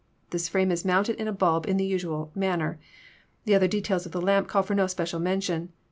This frame is mounted in a bulb in the usual manner. The other details of the lamp call for no special mention.